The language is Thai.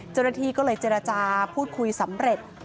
เจราทีก็เลยเจรจาพูดคุยสำเร็จ